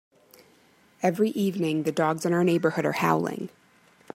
Every evening, the dogs in our neighbourhood are howling.